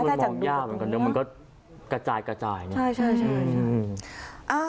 มันมองยากเหมือนกันนะมันก็กระจายใช่